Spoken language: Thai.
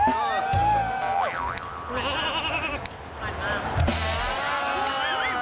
หวานมาก